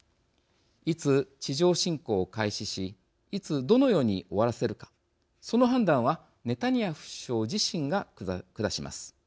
いつ、地上侵攻を開始しいつ、どのように終わらせるかその判断はネタニヤフ首相自身が下します。